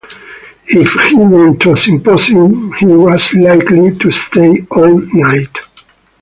If he went to a symposium, he was likely to stay all night.